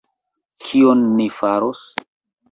Kion ni faros?!